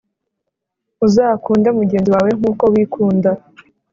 Uzakunde mugenzi wawe nkuko wikunda